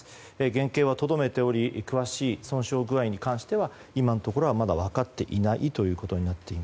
原形はとどめており詳しい損傷具合に関しては今のところはまだ分かっていないと。